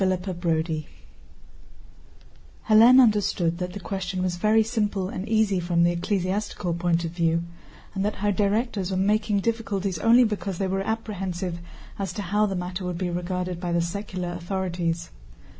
CHAPTER VII Hélène understood that the question was very simple and easy from the ecclesiastical point of view, and that her directors were making difficulties only because they were apprehensive as to how the matter would be regarded by the secular authorities.